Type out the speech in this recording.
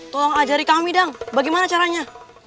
tolong ajari kami dong bagaimana caranya